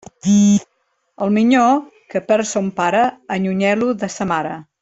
El minyó que perd son pare, allunyeu-lo de sa mare.